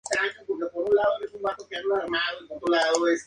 Es el límite oriental de la parroquia de Celorio.